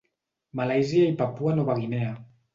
Malàisia i Papua Nova Guinea.